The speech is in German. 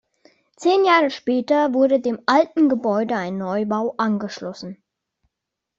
Zehn Jahre später wurde dem alten Gebäude ein Neubau angeschlossen.